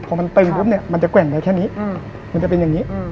พอมันตึงมันจะแกว่งได้แค่นี้